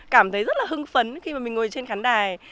cảm thấy rất là hưng phấn khi mà mình ngồi trên khán đài